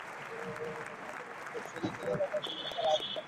আবার অনেক ব্যবসায়ী নিজেরাই অতিরিক্ত মুনাফার আশায় এসব পণ্য দোকানে তুলেছেন।